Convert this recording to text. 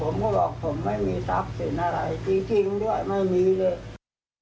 แต่ว่าผมก็บอกผมไม่มีทักษิตอะไรจริงด้วยไม่มีเลย